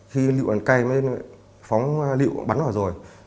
khi liệu bắn cây mới phóng liệu bắn vào rồi